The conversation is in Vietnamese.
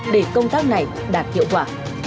để công tác này đạt hiệu quả